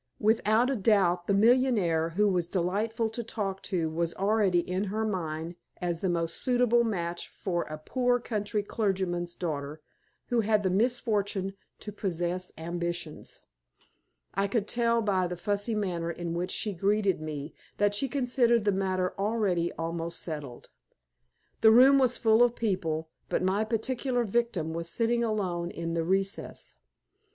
Without a doubt the millionaire who was delightful to talk to was already in her mind as the most suitable match for a poor country clergyman's daughter who had the misfortune to possess ambitions. I could tell by the fussy manner in which she greeted me that she considered the matter already almost settled. The room was full of people, but my particular victim was sitting alone in a recess.